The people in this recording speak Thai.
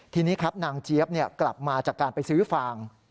ทีนี้ครับนางเจี๊ยบกลับมาจากการไปซื้อฟาง